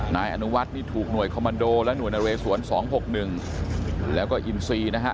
นายอนุวัฒน์นี่ถูกหน่วยคอมมันโดและหน่วยนเรสวน๒๖๑แล้วก็อินซีนะฮะ